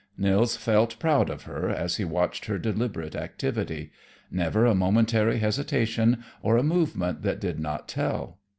Nils felt proud of her as he watched her deliberate activity; never a momentary hesitation, or a movement that did not tell.